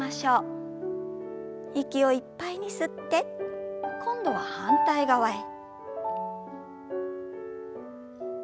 息をいっぱいに吸って今度は反対側へ。